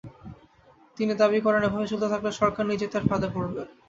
তিনি দাবি করেন, এভাবে চলতে থাকলে সরকার নিজেই তার ফাঁদে পড়বে।